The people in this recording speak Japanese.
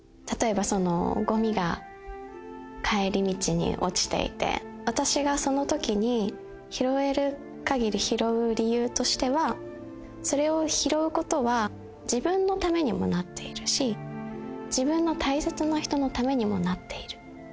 例えばごみが帰り道に落ちていて私がそのときに拾える限り拾う理由としてはそれを拾うことは自分のためにもなっているし自分の大切な人のためにもなっている。